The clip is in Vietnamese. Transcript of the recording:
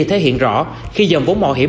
thể hiện rõ khi dòng vốn mộ hiểm